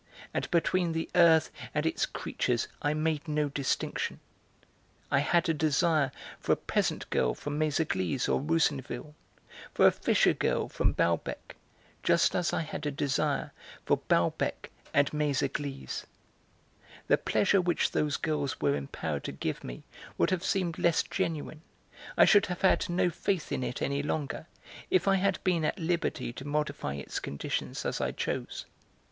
And between the earth and its creatures I made no distinction. I had a desire for a peasant girl from Méséglise or Roussainville, for a fisher girl from Balbec, just as I had a desire for Balbec and Méséglise. The pleasure which those girls were empowered to give me would have seemed less genuine, I should have had no faith in it any longer, if I had been at liberty to modify its conditions as I chose.